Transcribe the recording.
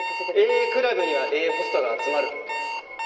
ええクラブにはええホストが集まる。